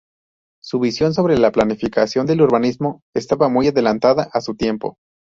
Su visión sobre la planificación del urbanismo estaba muy adelantada a su tiempo.